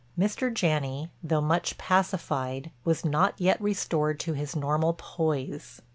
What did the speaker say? Mr. Janney, though much pacified, was not yet restored to his normal poise.